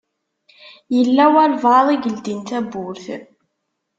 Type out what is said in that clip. Yella walebɛaḍ i yeldin tawwurt.